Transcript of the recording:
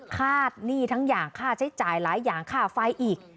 หนี้ทั้งอย่างค่าใช้จ่ายหลายอย่างค่าไฟอีก